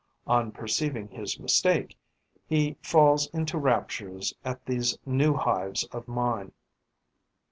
On perceiving his mistake, he falls into raptures at these new hives of mine.